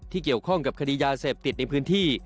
เกี่ยวข้องกับคดียาเสพติดในพื้นที่